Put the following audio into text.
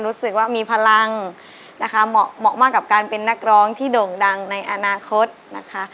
รู้สึกว่ามีพลังนะคะเหมาะมากกับการเป็นนักร้องที่โด่งดังในอนาคตนะคะ